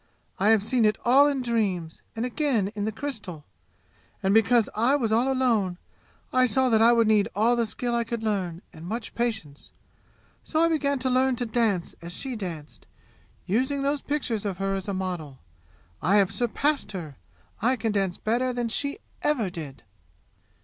I have seen it all in dreams, and again in the crystal! And because I was all alone, I saw that I would need all the skill I could learn, and much patience. So I began to learn to dance as she danced, using those pictures of her as a model. I have surpassed her! I can dance better than she ever did!